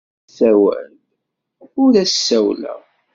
Ur d-tessawel, ur as-ssawleɣ.